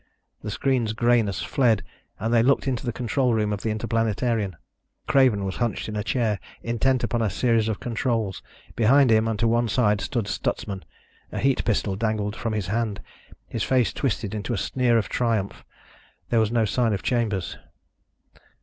The screen's grayness fled and they looked into the control room of the Interplanetarian. Craven was hunched in a chair, intent upon a series of controls. Behind him and to one side stood Stutsman, a heat pistol dangled from his hand, his face twisted into a sneer of triumph. There was no sign of Chambers.